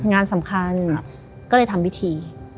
งานสำคัญก็เลยทำพิธี